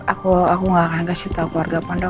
aku gak akan kasih tau keluarga pendok